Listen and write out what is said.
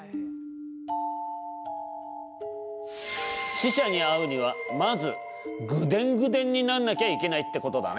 死者に会うにはまずグデングデンになんなきゃいけないってことだね。